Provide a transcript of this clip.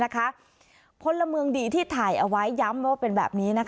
พลเมืองดีที่ถ่ายเอาไว้ย้ำว่าเป็นแบบนี้